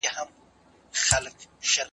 کتاب انسان ته لارښود دی.